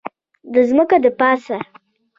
د ځمکې دپاسه